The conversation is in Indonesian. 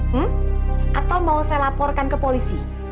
hmm atau mau saya laporkan ke polisi